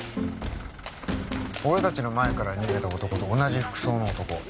俺達の前から逃げた男と同じ服装の男